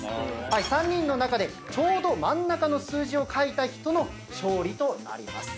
３人の中でちょうど真ん中の数字を書いた人の勝利となります。